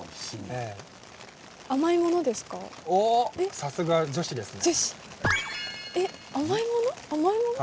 さすが女子ですね。